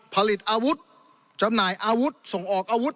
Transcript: ผลิตอาวุธจำหน่ายอาวุธส่งออกอาวุธ